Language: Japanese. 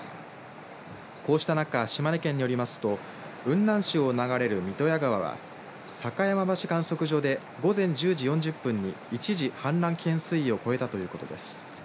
こうした中島根県によりますと雲南市を流れる三刀屋川は坂山橋観測所で午前１０時４０分に一時氾濫危険水位を超えたということです。